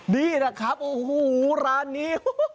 นี่แหละครับโอ้โหร้านนี้